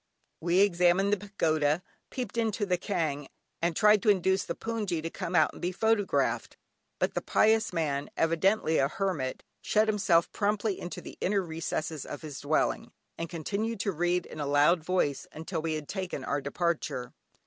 We examined the pagoda, peeped into the kyaung, and tried to induce the hpoongyi to come out and be photographed; but the pious man, evidently a hermit, shut himself promptly into the inner recesses of his dwelling, and continued to read in a loud voice until we had taken our departure.